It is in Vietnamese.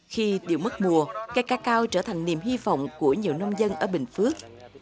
khi điều mất mùa cây cacao trở thành niềm hy vọng của nhiều nông dân ở bình phước